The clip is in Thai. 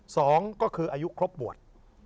สองก็คืออายุครบบวช